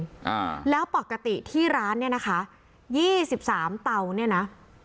อ่าแล้วปกติที่ร้านเนี้ยนะคะยี่สิบสามเตาเนี่ยนะ